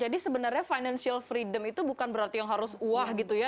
jadi sebenarnya financial freedom itu bukan berarti yang harus uah gitu ya